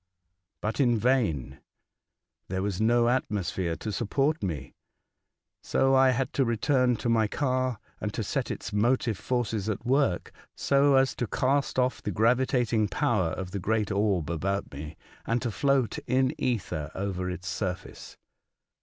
But in vain. There was no atmosphere to support me, so I had to return to my car and to set its motive forces at work so as to cast off the gravitating power of the great orb about me and to float in ether over its surface.